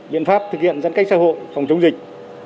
biện pháp thực hiện giãn cách xã hội phòng chống dịch